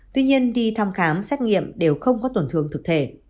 tuy nhiên đi thăm khám xét nghiệm đều không có tổn thương thực thể